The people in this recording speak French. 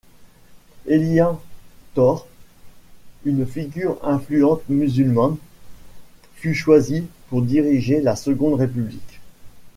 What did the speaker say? Elihan Tore, une figure influente musulmane, fut choisi pour diriger la Seconde République.